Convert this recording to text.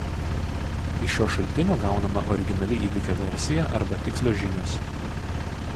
Iš šio šaltinio gaunama originali įvykio versija arba tikslios žinios.